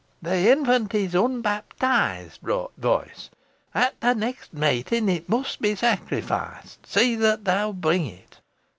'The infant is unbaptised,' roart t' voice, 'at the next meeting it must be sacrificed. See that thou bring it.'